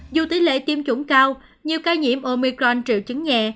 dù tỷ lệ tiêm chủng cao nhiều ca nhiễm omicron triệu chứng nhẹ